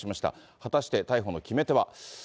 果たして逮捕の決め手は。